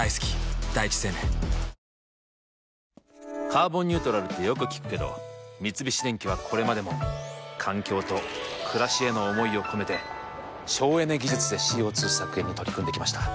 「カーボンニュートラル」ってよく聞くけど三菱電機はこれまでも環境と暮らしへの思いを込めて省エネ技術でＣＯ２削減に取り組んできました。